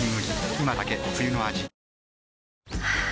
今だけ冬の味ハァ。